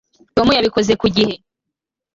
tom yabikoze ku gihe